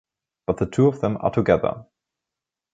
But the two of them are together.